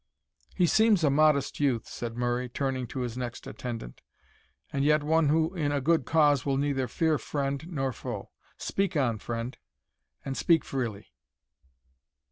"He seems a modest youth," said Murray, turning to his next attendant, "and yet one who in a good cause will neither fear friend nor foe. Speak on, friend, and speak freely."